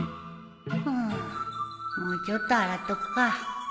もうちょっと洗っとくか。